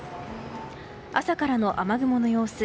朝からの雨雲の様子。